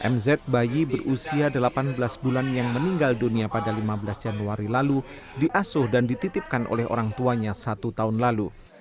mz bayi berusia delapan belas bulan yang meninggal dunia pada lima belas januari lalu diasuh dan dititipkan oleh orang tuanya satu tahun lalu